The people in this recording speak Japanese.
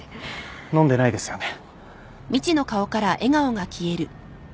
飲んでないですよね？